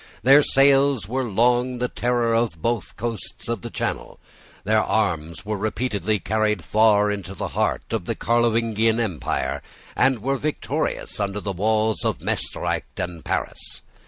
Their sails were long the terror of both coasts of the Channel. Their arms were repeatedly carried far into the heart of: the Carlovingian empire, and were victorious under the walls of Maestricht and Paris.